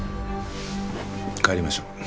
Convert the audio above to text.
帰りましょう。